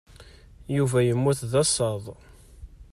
Yuba yemmut d asaḍ.